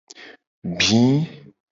Gbi.